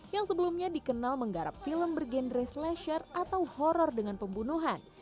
yang sebelumnya dikenal menggarap film bergenre slesher atau horror dengan pembunuhan